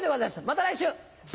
また来週！